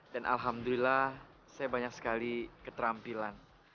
dan alhamdulillah saya banyak sekali keterampilan